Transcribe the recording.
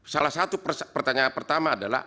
salah satu pertanyaan pertama adalah